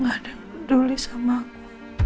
gak ada yang peduli sama aku